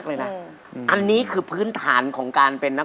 เพราะว่าเพราะว่าเพราะ